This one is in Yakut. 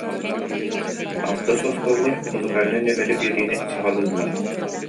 Алтыс остуоллар музыкальнай нүөмэри биэриини саҕалыыллар